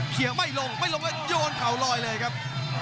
ไม่ลงไม่ลงแล้วโยนเข่าลอยเลยครับ